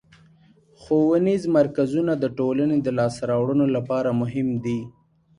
ښوونیز مرکزونه د ټولنې د لاسته راوړنو لپاره مهم دي.